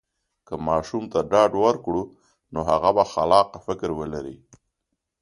که ماشوم ته ډاډ ورکړو، نو هغه به خلاقه فکر ولري.